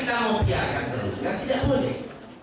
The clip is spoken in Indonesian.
masa kita mau biarkan terus tidak boleh